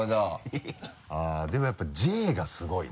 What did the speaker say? でもやっぱり「Ｊ」がすごいな。